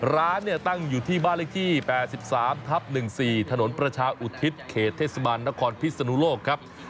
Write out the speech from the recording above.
ร้านตั้งอยู่ที่บ้านลิขที่๘๓๑๔ถนนประชาอุทิศเขตเทศบรรณนครพิษนุโลกครับ